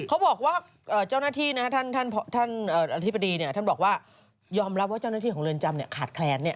เขาบอกว่าเจ้าหน้าที่นะครับท่านอธิบดีเนี่ยท่านบอกว่ายอมรับว่าเจ้าหน้าที่ของเรือนจำเนี่ยขาดแคลนเนี่ย